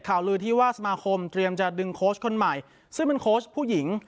ข่าวลือที่ว่าสมาคมเตรียมจะดึงโค้ชคนใหม่ซึ่งเป็นโค้ชผู้หญิง